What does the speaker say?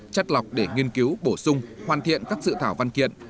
chất lọc để nghiên cứu bổ sung hoàn thiện các dự thảo văn kiện